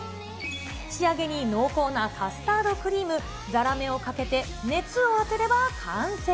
仕上げに濃厚なカスタードクリーム、ザラメをかけて、熱を当てれば完成。